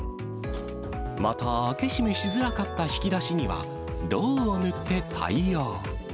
また、開け閉めしづらかった引き出しには、ろうを塗って対応。